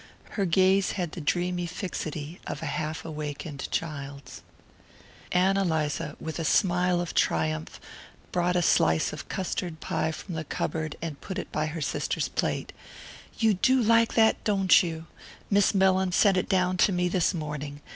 Her gaze had the dreamy fixity of a half awakened child's. Ann Eliza, with a smile of triumph, brought a slice of custard pie from the cupboard and put it by her sister's plate. "You do like that, don't you? Miss Mellins sent it down to me this morning.